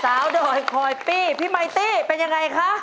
สาวดอยคอยปีพี่มายตี้เป็นยังไงคะ